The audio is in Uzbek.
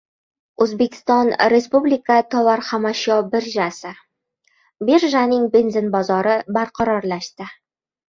“O‘zbekiston respublika tovar-xomashyo birjasi”: birjaning benzin bozori barqarorlashdi